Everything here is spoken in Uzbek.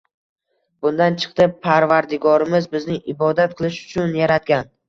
Bundan chiqdi, Parvardigorimiz bizni ibodat qilish uchun yaratgan.